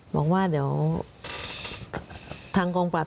บอกว่าเดี๋ยว